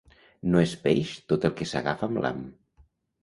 No és peix tot el que s'agafa amb l'ham.